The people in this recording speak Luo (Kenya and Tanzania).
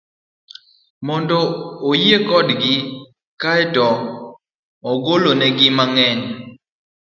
mondo oyie kodgi, kae to igology mang'eny